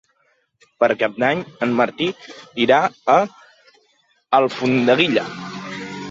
Per Cap d'Any en Martí irà a Alfondeguilla.